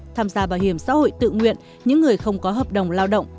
tham gia bảo hiểm xã hội tự nguyện những người không có hợp đồng lao động